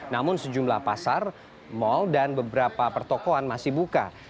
namun sejumlah pasar mal dan beberapa pertokoan masih buka